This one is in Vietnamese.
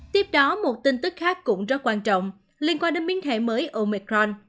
thứ khác cũng rất quan trọng liên quan đến miếng thẻ mới omicron